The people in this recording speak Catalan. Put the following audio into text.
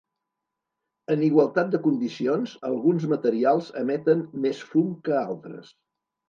En igualtat de condicions alguns materials emeten més fum que altres.